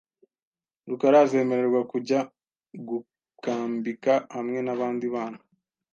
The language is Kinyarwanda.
rukara azemererwa kujya gukambika hamwe nabandi bana?